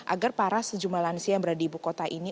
agar para sejumlah lansia yang berada di ibu kota ini